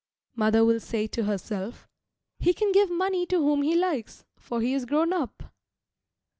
Mother will say to herself, "He can give money to whom he likes, for he is grown up."